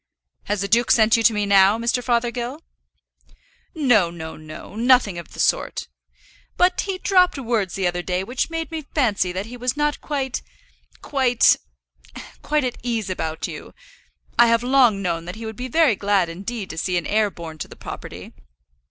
"Has the duke sent you to me now, Mr. Fothergill?" "No, no, no, nothing of the sort. But he dropped words the other day which made me fancy that he was not quite, quite, quite at ease about you. I have long known that he would be very glad indeed to see an heir born to the property.